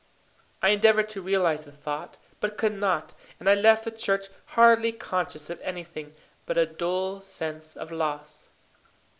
I endeavoured to realize the thought, but could not, and I left the church hardly conscious of anything but a dull sense of loss.